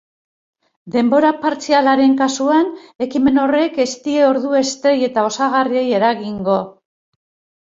Denbora partzialaren kasuan, ekimen horrek ez die ordu estrei eta osagarriei eragingo.